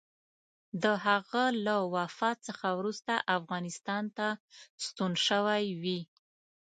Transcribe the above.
د هغه له وفات څخه وروسته افغانستان ته ستون شوی وي.